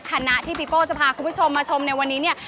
คณะที่ปีป้อจะพาคุณผู้ชมมาชมในวันนี้